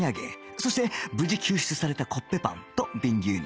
そして無事救出されたコッペパンと瓶牛乳